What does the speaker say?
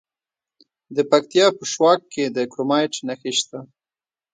د پکتیا په شواک کې د کرومایټ نښې شته.